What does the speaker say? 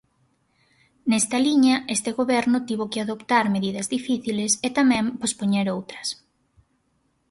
Nesta liña, este goberno tivo que adoptar medidas difíciles e tamén pospoñer outras.